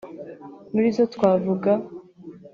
muri zo twavuga